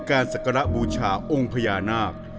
ศักระบูชาองค์พญานาค